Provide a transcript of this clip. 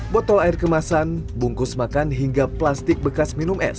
botol air kemasan bungkus makan hingga plastik bekas minum es